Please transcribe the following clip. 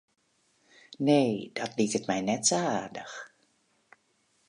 Nee, dat liket my net sa aardich.